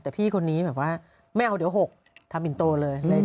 แต่พี่คนนี้แบบว่าไม่เอาเดี๋ยว๖ทำอินโตเลย